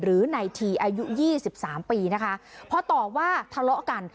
หรือในทีอายุยี่สิบสามปีนะคะพอตอบว่าทะเลาะกัน